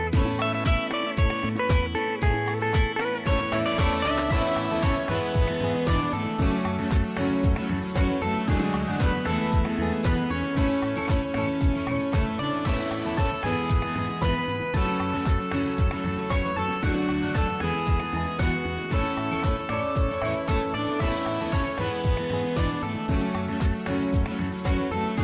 โปรดติดตามตอนต่อไป